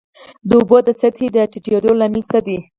د اوبو د سطحې د ټیټیدو لامل څه دی؟